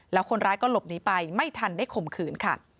แล้วคนร้ายก็หลบหนีไปไม่ทันได้ข่มขืนค่ะ